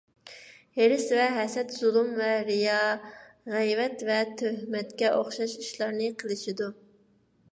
ھېرىس ۋە ھەسەت، زۇلۇم ۋە رىيا، غەيۋەت ۋە تۆھمەتكە ئوخشاش ئىشلارنى قىلىشىدۇ.